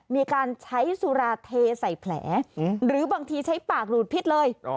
มีการใช้สุราเทใส่แผลหรือบางทีใช้ปากรูดพิษเลย